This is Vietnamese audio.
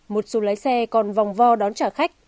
một số lái xe còn vòng vo đón trả khách